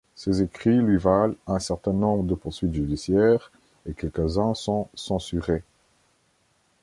Ses écrits lui valent un certain nombre de poursuites judiciaires et quelques-uns sont censurés.